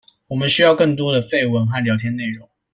我們需要更多的廢文和聊天內容